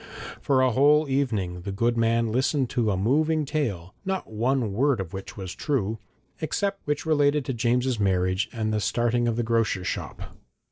For a whole evening the good man listened to a moving tale, not one word of which was true, except that which related to James's marriage and the starting of the grocer's shop.